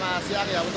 baik selama siang ya